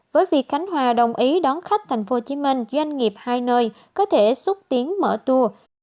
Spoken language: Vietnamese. với việc khánh hòa đồng ý đón khách tp hcm doanh nghiệp hai nơi có thể xúc tiến mở tour